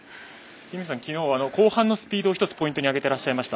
ティムさんきのうは後半のスピードを１つポイントに挙げていらっしゃいました。